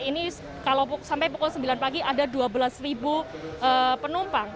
ini kalau sampai pukul sembilan pagi ada dua belas penumpang